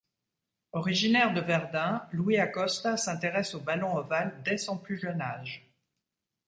Originaire de Verdun, Louis Acosta s’intéresse au ballon ovale dès son plus jeune âge.